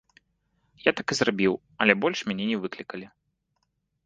Я так і зрабіў, але больш мяне не выклікалі.